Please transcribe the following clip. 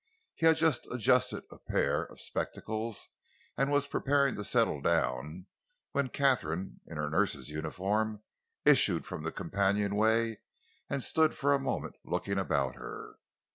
He had just adjusted a pair of spectacles and was preparing to settle down when Katharine, in her nurse's uniform, issued from the companionway and stood for a moment looking about her.